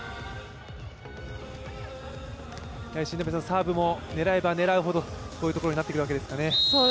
サーブも狙えば狙うほどこういうところになってくるわけですね。